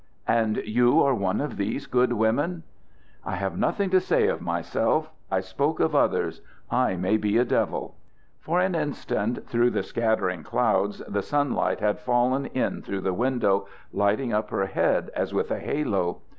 "And you are one of these good women?" "I have nothing to say of myself; I spoke of others. I may be a devil." For an instant through the scattering clouds the sunlight had fallen in through the window, lighting up her head as with a halo.